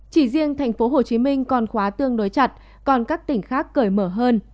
chỉ riêng thành phố hồ chí minh còn khóa tương đối chặt còn các tỉnh khác cởi mở hơn